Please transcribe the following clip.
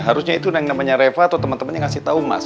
harusnya itu yang namanya reva atau temen temennya ngasih tau mas